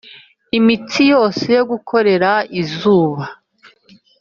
imitsi yose yo gukorera izuba,